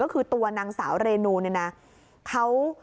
ก็คือตัวนางสาวเรนูเนี่ยนะเขา